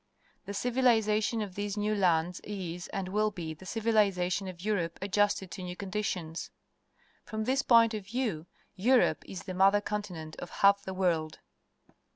The civilization of these new lands is and will be the civiliza tion of Europe adjusted to new conditions. From this point of view, Europe is the mother continent of half the world.